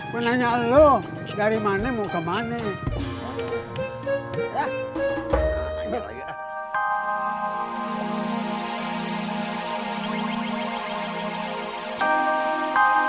menanya lo dari mana mau ke mana